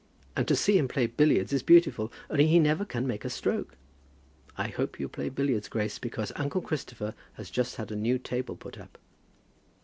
And to see him play billiards is beautiful, only he never can make a stroke. I hope you play billiards, Grace, because uncle Christopher has just had a new table put up."